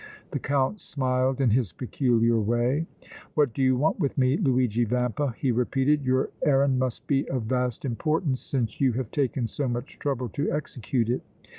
The Count smiled in his peculiar way. "What do you want with me, Luigi Vampa?" he repeated. "Your errand must be of vast importance since you have taken so much trouble to execute it!"